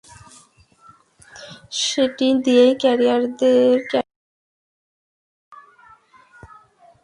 সেটি দিয়েই ক্যারিয়ারের সমাপ্তি টানার কথা অলিম্পিকে নয়টি সোনাজয়ী বিশ্বের দ্রুততম মানবের।